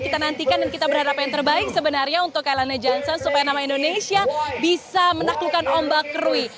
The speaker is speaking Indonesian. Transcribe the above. kita nantikan dan kita berharap yang terbaik sebenarnya untuk kailana johnson supaya nama indonesia bisa menaklukkan ombak kerui